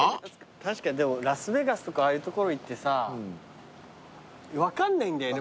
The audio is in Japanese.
確かにでもラスベガスとかああいう所行ってさ分かんないんだよね